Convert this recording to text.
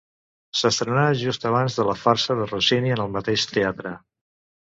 S'estrenà just abans de la farsa de Rossini en el mateix teatre.